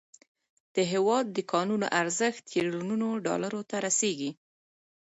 د هیواد د کانونو ارزښت تریلیونونو ډالرو ته رسیږي.